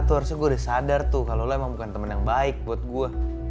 tuh harusnya gua udah sadar tuh kalo lu emang bukan temen yang baik buat gua